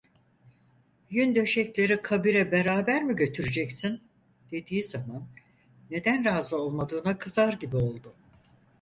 Yün döşekleri kabire beraber mi götüreceksin? dediği zaman neden razı olmadığına kızar gibi oldu.